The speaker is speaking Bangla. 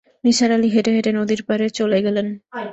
নিসার আলি হেঁটে হেঁটে নদীর পাড়ে চলে গেলেন।